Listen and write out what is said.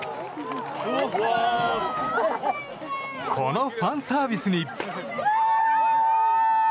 このファンサービスに。